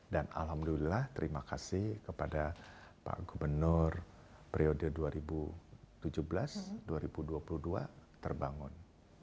dan alhamdulillah terima kasih kepada pak gubernur periode dua ribu tujuh belas dua ribu dua puluh dua terbangun